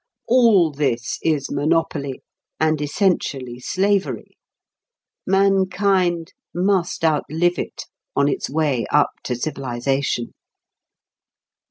All this is monopoly, and essentially slavery. Mankind must outlive it on its way up to civilisation."